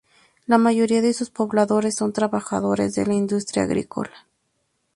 La mayoría de sus pobladores son trabajadores de la industria agrícola.